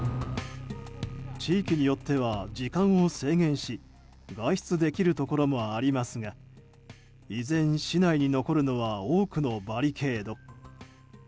地域によっては時間を制限し外出できるところもありますが依然、市内に残るのは多くのバリケード。